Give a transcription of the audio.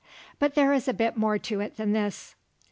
But there is a bit more to it than this.